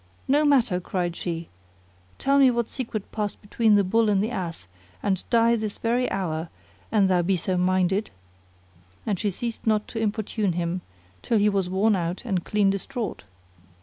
"No matter," cried she, "tell me what secret passed between the Bull and the Ass and die this very hour an thou be so minded;" and she ceased not to importune him till he was worn out and clean distraught.